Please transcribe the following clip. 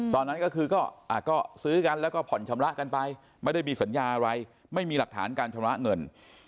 ตอนนั้นก็คือก็ซื้อกันแล้วก็ผ่อนชำระกันไปไม่ได้มีสัญญาอะไรไม่มีหลักฐานการชำระเงิน